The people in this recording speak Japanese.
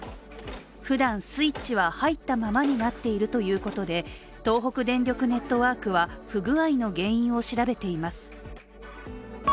ふだん、スイッチは入ったままになっているということで、東北電力ネットワークは、不具合の原因を調べています。